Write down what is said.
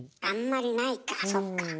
あんまりないかそっか。